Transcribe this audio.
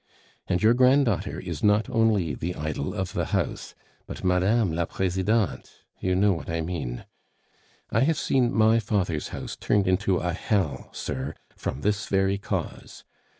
And your granddaughter is not only the idol of the house, but Mme. la Presidente... you know what I mean. I have seen my father's house turned into a hell, sir, from this very cause.